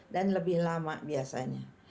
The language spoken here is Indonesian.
dan lebih lama biasanya